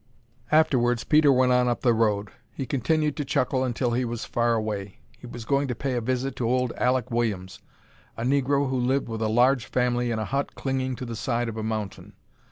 Afterwards Peter went on up the road. He continued to chuckle until he was far away. He was going to pay a visit to old Alek Williams, a negro who lived with a large family in a hut clinging to the side of a mountain.